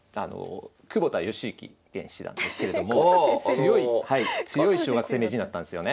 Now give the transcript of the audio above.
窪田義行現七段ですけれども強い小学生名人だったんですよね。